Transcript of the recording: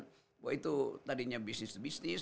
bahwa itu tadinya bisnis bisnis